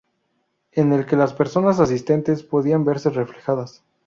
En el que las personas asistentes podían verse reflejadas.